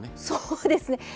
そうですね！